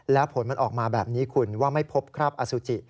แล้วผลมันออกมาแบบนี้คุณว่าไม่พบคราบอสุจิ